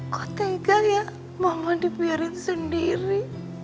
kok tega ya mohon dibiarin sendiri